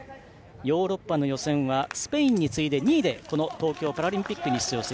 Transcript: ヨーロッパの予選はスペインに次いで２位で東京パラリンピックに出場。